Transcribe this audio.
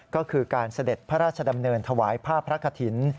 ก็คือการเสด็จพระราชดำเนินถวายผ้าพระกฐิน